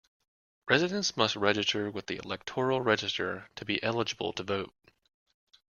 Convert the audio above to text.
Residents must register with the electoral register to be eligible to vote.